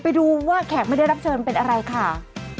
ไปดูว่าแขกไม่ได้รับเชิญเป็นอะไรค่ะ